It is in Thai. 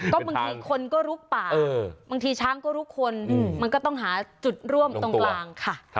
ก็บางทีคนก็ลุกป่าบางทีช้างก็ลุกคนมันก็ต้องหาจุดร่วมตรงกลางค่ะ